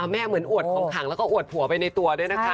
เหมือนอวดของขังแล้วก็อวดผัวไปในตัวด้วยนะคะ